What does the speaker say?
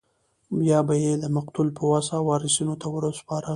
یا به یې د مقتول بې وسه وارثینو ته ورسپاره.